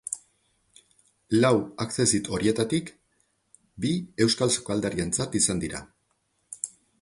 Lau accesit horietatik bi euskal sukaldarientzat izan dira.